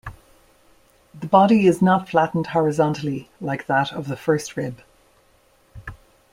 The body is not flattened horizontally like that of the first rib.